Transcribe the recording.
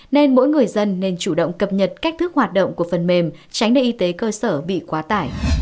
nên mỗi người dân nên chủ động cập nhật cách thức hoạt động của phần mềm tránh để y tế cơ sở bị quá tải